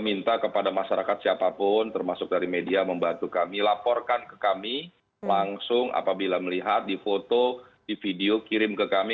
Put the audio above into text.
minta kepada masyarakat siapapun termasuk dari media membantu kami laporkan ke kami langsung apabila melihat di foto di video kirim ke kami